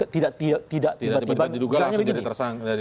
tidak tiba tiba diduga langsung jadi tersangk